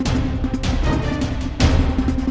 jangan jangan jangan jangan